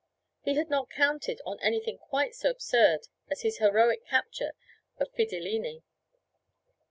He had not counted on anything quite so absurd as his heroic capture of Fidilini.